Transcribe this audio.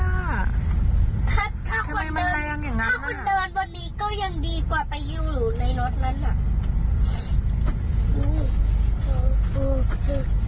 ถ้าคนเดินบนนี้ก็ยังดีกว่าไปอยู่หรือไนโน้ตนั้นน่ะ